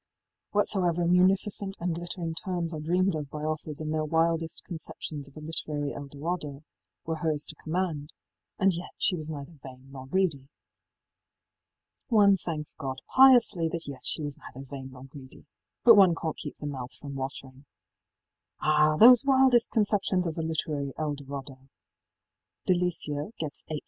Whatsoever munificent and glittering terms are dreamed of by authors in their wildest conceptions of a literary El Dorado were hers to command; and yet she was neither vain nor greedy.í One thanks God piously that yet she was neither vain nor greedy; but one canít keep the mouth from watering. Ah! those wildest conceptions of a literary El Dorado! ëDeliciaí gets 8,000L.